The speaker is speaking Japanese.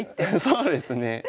そうですね。